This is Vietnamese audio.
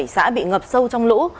hai mươi bảy xã bị ngập sâu trong lũ